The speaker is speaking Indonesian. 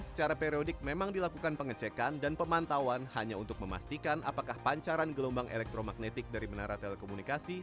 secara periodik memang dilakukan pengecekan dan pemantauan hanya untuk memastikan apakah pancaran gelombang elektromagnetik dari menara telekomunikasi